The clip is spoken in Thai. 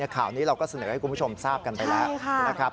ข่าวนี้เราก็เสนอให้คุณผู้ชมทราบกันไปแล้วนะครับ